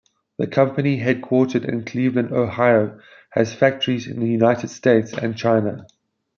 The company, headquartered in Cleveland, Ohio has factories in the United States and China.